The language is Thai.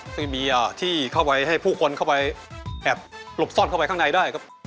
ซึ่งมีที่เข้าไปให้ผู้คนเข้าไปแอบหลบซ่อนเข้าไปข้างในได้ครับ